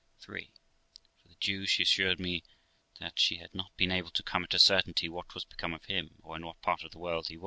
III. For the Jew, she assured me that she had not been able to come at a certainty what was become of him, or in what part of the world he THE LIFE OF ROXANA 33!